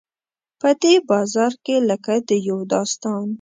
په دې بازار کې لکه د یو داستان.